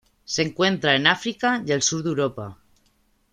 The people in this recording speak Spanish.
Se encuentra en África y el Sur de Europa.